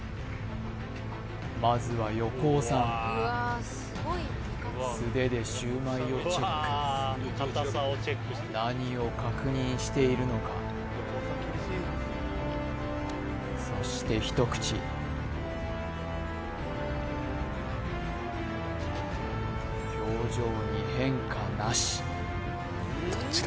まずは横尾さん素手でシュウマイをチェック何を確認しているのかそして一口表情に変化